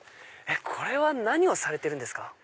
これは何をされてるんですか？